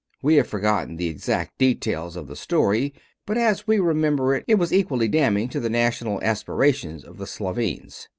We have forgotten the exact details of the story, but as we remember, it was equally damning to the national aspirations of the Slovenes.